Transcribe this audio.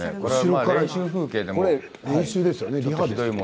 これは練習ですよね。